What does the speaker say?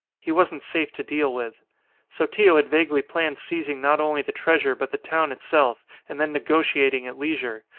He wasn't safe to deal with. Sotillo had vaguely planned seizing not only the treasure but the town itself, and then negotiating at leisure.